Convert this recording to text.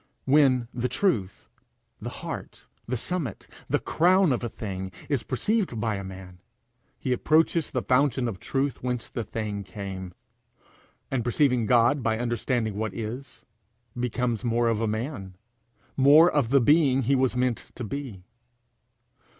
When the truth, the heart, the summit, the crown of a thing, is perceived by a man, he approaches the fountain of truth whence the thing came, and perceiving God by understanding what is, becomes more of a man, more of the being he was meant to be.